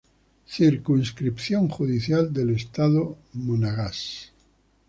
Circunscripción Judicial del estado Monagas.